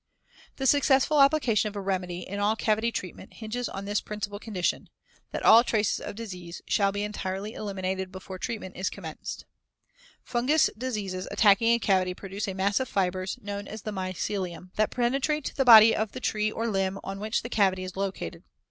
The successful application of a remedy, in all cavity treatment, hinges on this principal condition that all traces of disease shall be entirely eliminated before treatment is commenced. Fungous diseases attacking a cavity produce a mass of fibers, known as the "mycelium," that penetrate the body of the tree or limb on which the cavity is located.